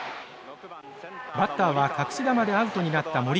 バッターは隠し球でアウトになった森川。